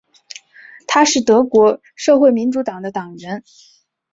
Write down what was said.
他是德国社会民主党的党员。